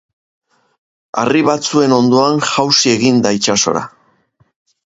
Harri batzuen ondoan jausi egin da itsasora.